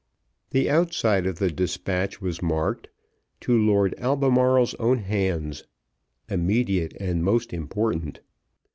The outside of the despatch was marked "To Lord Albemarle's own hands. Immediate and most important."